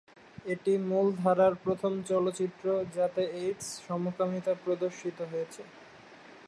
এটি মূলধারার প্রথম চলচ্চিত্র, যাতে এইডস, সমকামিতা প্রদর্শিত হয়েছে।